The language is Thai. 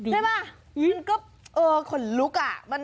ใช่ป่ะมันก็เออขนลุกอ่ะ